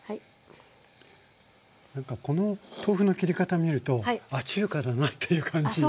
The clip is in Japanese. なんかこの豆腐の切り方見るとあっ中華だなっていう感じがします。